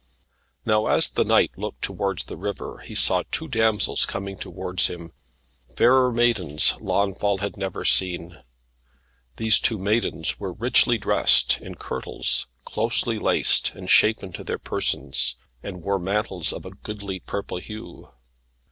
Now as the knight looked towards the river he saw two damsels coming towards him; fairer maidens Launfal had never seen. These two maidens were richly dressed in kirtles closely laced and shapen to their persons and wore mantles of a goodly purple hue.